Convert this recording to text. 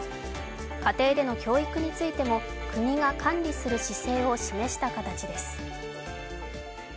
家庭での教育についても国が管理する姿勢を示した形です。